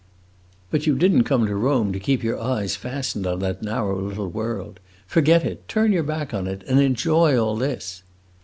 "But you did n't come to Rome to keep your eyes fastened on that narrow little world. Forget it, turn your back on it, and enjoy all this."